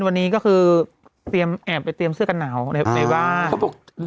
วันนี้คือแอบไปเตรียมเสื้อกลับหนาวในว่าง